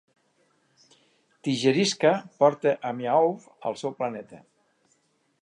Tigerishka porta a Miaow al seu planeta.